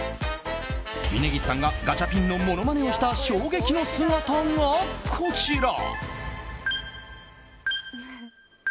峯岸さんがガチャピンのものまねをした衝撃の姿が、こちら。